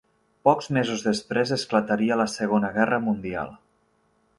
Pocs mesos després, esclataria la Segona Guerra mundial.